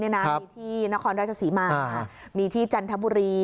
มีที่นครราชศรีมามีที่จันทบุรี